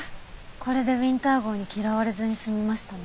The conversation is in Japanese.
これでウィンター号に嫌われずに済みましたね。